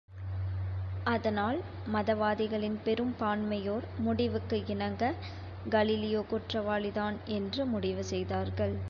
அதனால், மதவாதிகளின் பெரும் பான்மையோர் முடிவுக்கு இணங்க, கலீலியோ குற்றவாளிதான் என்று முடிவு செய்தார்கள்.